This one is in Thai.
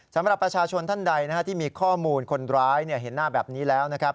สำหรับประชาชนท่านใดที่มีข้อมูลคนร้ายเห็นหน้าแบบนี้แล้วนะครับ